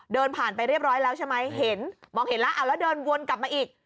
เดินผ่านไปเรียบร้อยแล้วใช่ไหมเห็นมองเห็นแล้วเอาแล้วเดินวนกลับมาอีก